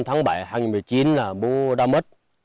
tháng bảy hai nghìn một mươi chín là bố đã mất